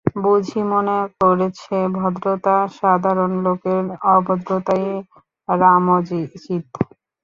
বুঝি মনে করেছে ভদ্রতা সাধারণ লোকের, অভদ্রতাই রাজোচিত।